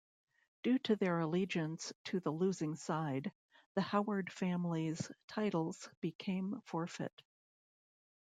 Due to their allegiance to the losing side, the Howard family's titles became forfeit.